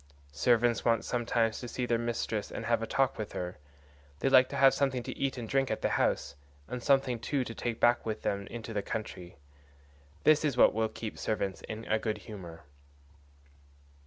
Servants want sometimes to see their mistress and have a talk with her; they like to have something to eat and drink at the house, and something too to take back with them into the country. This is what will keep servants in a good humour."